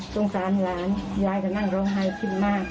สงสารหลานยายก็นั่งร้องไห้ขึ้นมาก